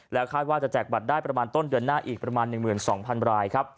คาดว่าจะแจกบัตรได้ประมาณต้นเดือนหน้าอีกประมาณ๑๒๐๐๐รายครับ